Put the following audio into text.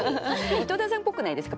井戸田さんっぽくないですか？